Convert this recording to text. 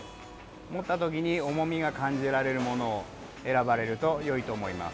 持った時に重みが感じられるものを選ばれるとよいと思います。